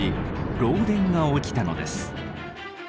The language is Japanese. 漏電が起きたのです。